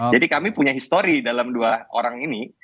jadi kami punya histori dalam dua orang ini